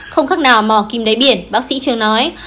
không khác nào mò kim đáy biển bác sĩ chưa nói